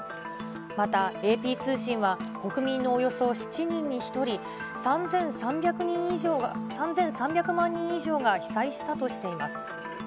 また、ＡＰ通信は国民のおよそ７人に１人、３３００万人以上が被災したとしています。